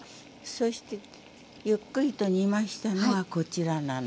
そしてゆっくりと煮ましたのがこちらなの。